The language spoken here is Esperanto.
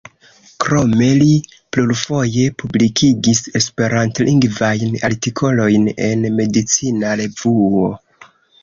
Krome li plurfoje publikigis esperantlingvajn artikolojn en Medicina Revuo.